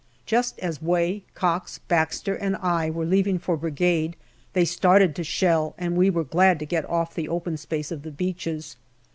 Just as Way, Cox, Baxter, and I were leaving for Brigade, they started to shell, and we were glad to get off the open space of the beaches.